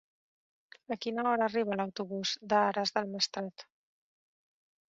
A quina hora arriba l'autobús d'Ares del Maestrat?